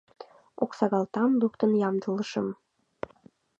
Оксагалтам луктын ямдылышым.